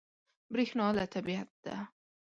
برېښنا له طبیعت ده.